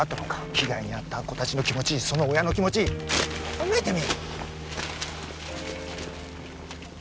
被害に遭った子達の気持ちその親の気持ち考えてみい！